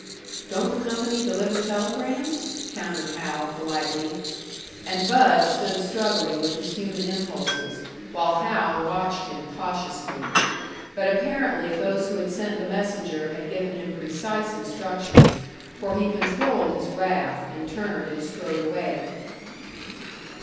"Don't the company deliver telegrams?" countered Hal, politely. And Bud stood struggling with his human impulses, while Hal watched him cautiously. But apparently those who had sent the messenger had given him precise instructions; for he controlled his wrath, and turned and strode away.